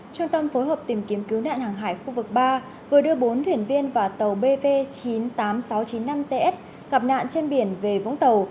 trung tâm phối hợp tìm kiếm cứu nạn hàng hải khu vực ba vừa đưa bốn thuyền viên và tàu bv chín mươi tám nghìn sáu trăm chín mươi năm ts gặp nạn trên biển về vũng tàu